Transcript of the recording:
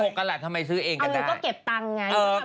อันแรก๖กันล่ะทำไมซื้อเองกันได้อันนี้ก็เก็บตังค์ไง